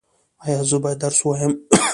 ایا زه باید درس ووایم؟